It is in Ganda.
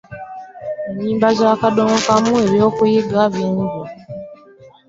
Ennyimba za kadongo kamu zibamu eby'okuyigga bingi.